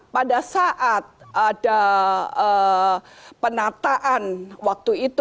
pada saat ada penataan waktu itu